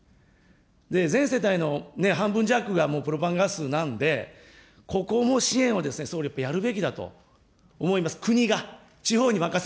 全世帯の半分弱がもうプロパンガスなんで、ここも支援を総理、やっぱりやるべきだと思います。